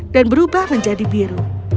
dan berubah menjadi biru